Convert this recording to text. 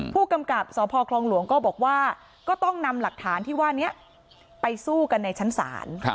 ผู้กำกับสพคลองหลวงก็บอกว่าก็ต้องนำหลักฐานที่ว่านี้ไปสู้กันในชั้นศาล